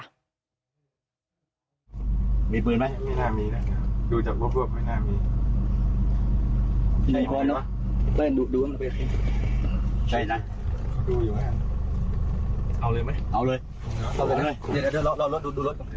ระวังระวังรถรถรถ